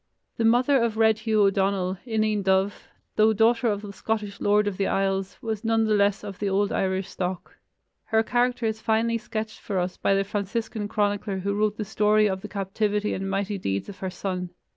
The mother of Red Hugh O'Donnell, Ineen dubh, though daughter of the Scottish Lord of the Isles, was none the less of the old Irish stock. Her character is finely sketched for us by the Franciscan chronicler who wrote the story of the captivity and mighty deeds of her son.